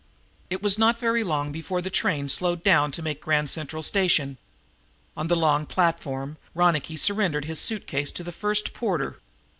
It was not very long before the train slowed down to make Grand Central Station. On the long platform Ronicky surrendered his suit case to the first porter.